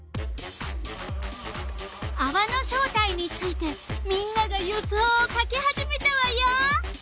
あわの正体についてみんなが予想を書き始めたわよ。